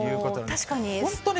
確かに。